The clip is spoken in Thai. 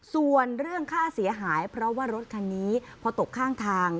ส่วนเรื่องค่าเสียหายเพราะว่ารถคันนี้พอตกข้างทาง